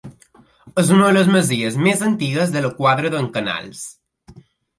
És una de les masies més antigues de la Quadra d'en Canals.